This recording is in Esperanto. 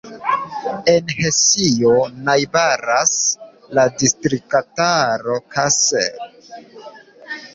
En Hesio najbaras la distriktaro Kassel.